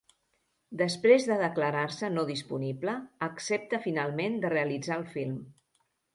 Després de declarar-se no disponible, accepta finalment de realitzar el film.